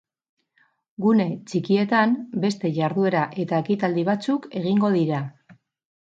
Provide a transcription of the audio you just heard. Gune txikietan beste jarduera eta ekitaldi batzuk egingo dira.